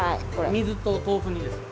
水と豆腐にですか？